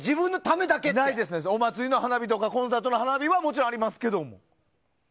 お祭りの花火とかコンサートの花火はありますけど。